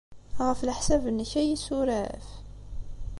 Ɣef leḥsab-nnek, ad iyi-yessuref?